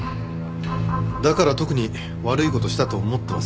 だから特に悪い事したと思ってません。